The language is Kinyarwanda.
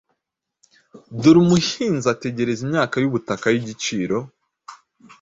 Dore umuhinzi ategereza imyaka y’ubutaka y’igiciro,